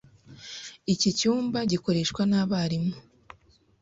Iki cyumba gikoreshwa nabarimu.